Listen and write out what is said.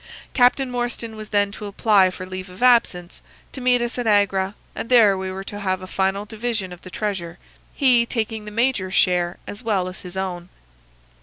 Captain Morstan was then to apply for leave of absence, to meet us at Agra, and there we were to have a final division of the treasure, he taking the major's share as well as his own.